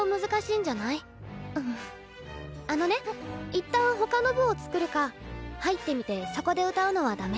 あのね一旦他の部を作るか入ってみてそこで歌うのはダメ？